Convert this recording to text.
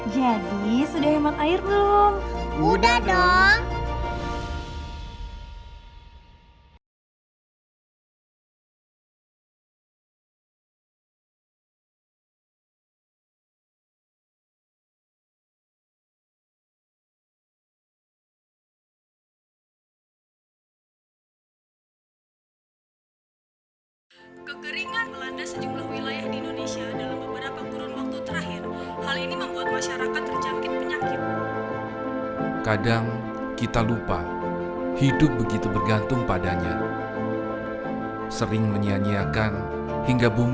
jadi sudah hemat air belum